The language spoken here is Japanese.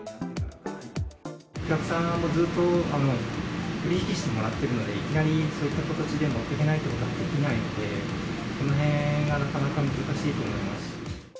お客さんもずっと取り引きしてもらってるので、いきなりそういった形で持っていけないということはできないので、そのへんがなかなか難しいと思います。